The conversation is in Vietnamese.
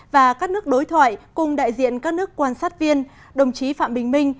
và các nước đối thoại cùng đại diện các nước quan sát viên đồng chí phạm bình minh